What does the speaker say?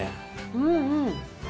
うんうん。